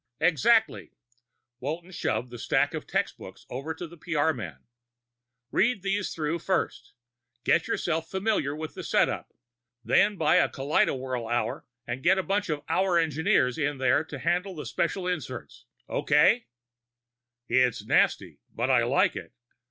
"Exactly." Walton shoved the stack of textbooks over to the PR man. "Read these through first. Get yourself familiar with the setup. Then buy a kaleidowhirl hour and get a bunch of our engineers in there to handle the special inserts. Okay?" "It's nasty, but I like it.